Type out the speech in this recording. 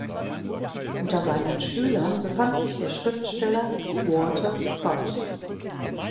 Unter seinen Schülern befand sich der Schriftsteller Walter Scott.